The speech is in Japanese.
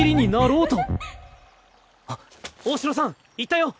大城さん行ったよ！